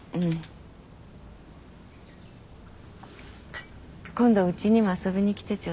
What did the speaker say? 今度うちにも遊びに来てちょうだい。